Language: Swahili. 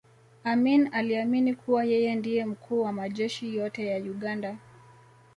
amin aliamini kuwa yeye ndiye mkuu wa majeshi yote ya uganda